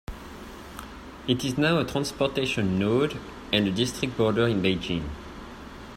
It is now a transportation node and a district border in Beijing.